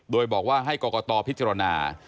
โดยบอกว่าให้กรกตพิจารณา